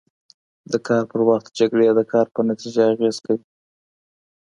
د کار پر وخت جکړې د کار په نتیجه اغېز کوي.